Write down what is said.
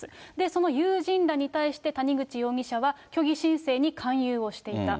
その友人らに対して、谷口容疑者は虚偽申請に勧誘をしていた。